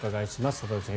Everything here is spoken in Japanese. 里崎さん